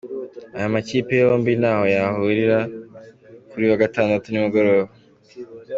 Aya makipe yombi nayo arahura kuri uyu wa gatandatu nimugoroba.